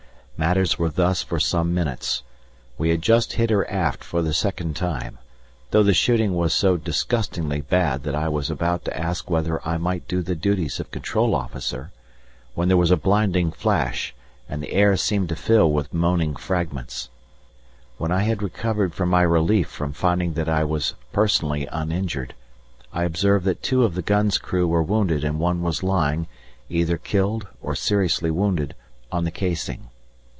Matters were thus for some minutes. We had just hit her aft for the second time, though the shooting was so disgustingly bad that I was about to ask whether I might do the duties of control officer, when there was a blinding flash and the air seemed filled with moaning fragments. When I had recovered from my relief from finding that I was personally uninjured, I observed that two of the gun's crew were wounded and one was lying, either killed or seriously wounded, on the casing.